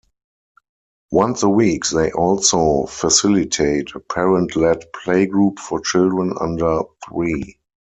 Once a week they also facilitate a parent-led playgroup for children under three.